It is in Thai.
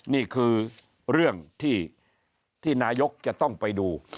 นี่คือเรื่องที่นายกจะต้องไปดู